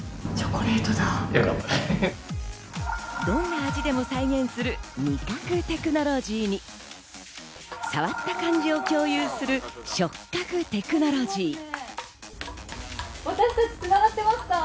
どんな味でも再現する味覚テクノロジーに、触った感じを共有する触覚テクノロジー。